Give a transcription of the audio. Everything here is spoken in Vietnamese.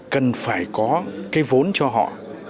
cần phải có cái vốn cho họ